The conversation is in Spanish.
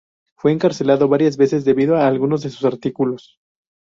Fue encarcelado varias veces debido a alguno de sus artículos.